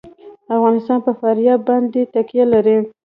افغانستان په فاریاب باندې تکیه لري.